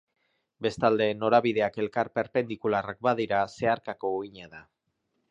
Bestalde, norabideak elkar perpendikularrak badira, zeharkako uhina da.